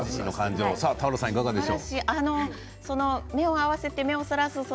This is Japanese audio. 俵さん、いかがでしょう？